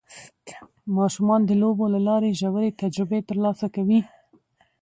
ماشومان د لوبو له لارې ژورې تجربې ترلاسه کوي